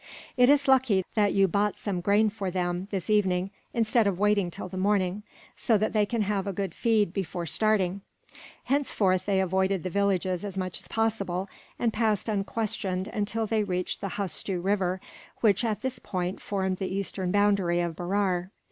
"It is lucky that you bought some grain for them, this evening, instead of waiting till the morning, so they can have a good feed before starting." Henceforth they avoided the villages as much as possible, and passed unquestioned until they reached the Hustoo river which, at this point, formed the eastern boundary of Berar.